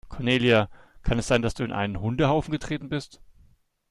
Cornelia, kann es sein, dass du in einen Hundehaufen getreten bist?